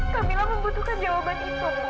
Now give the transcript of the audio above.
kamila membutuhkan jawaban itu bu